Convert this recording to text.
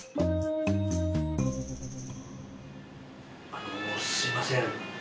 あのすいません